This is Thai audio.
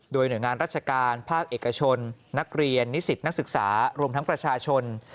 โดยหน่วยงานราชการภาคเอกชนนักเรียนนิสิตนักศึกษารวมทั้งประชาชน